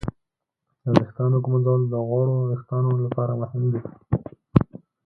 د ویښتانو ږمنځول د غوړو وېښتانو لپاره مهم دي.